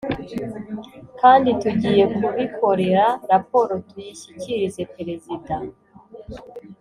kandi tugiye kubikorera raporo tuyishyikirize Perezida